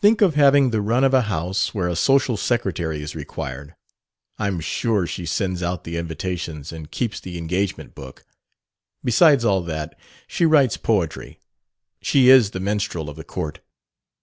Think of having the run of a house where a social secretary is required! I'm sure she sends out the invitations and keeps the engagement book. Besides all that, she writes poetry she is the minstrel of the court.